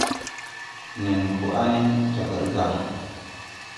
Nen ko à ge, jāg ree ga.